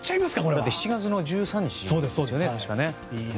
７月１３日ですよね、確か。